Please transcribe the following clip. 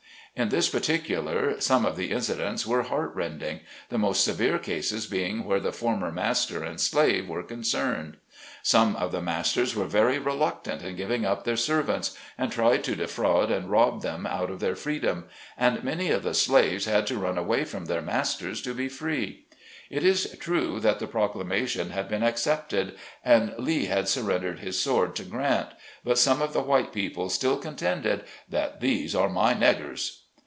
In this particular some of the incidents were heartrending, the most severe cases being where the former master and slave were concerned. Some of the masters were very reluctant in giving up their servants, and tried to defraud and rob them out of their freedom, and many of the slaves had to run away from their masters to be free. It is true that the proclamation had been accepted, and Lee had surrendered his sword to Grant, but some of the white people still contended that " these are my neggers."